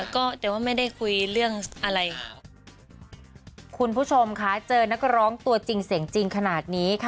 คุณผู้ชมค่ะเจอนักร้องตัวจริงเสียงจริงขนาดนี้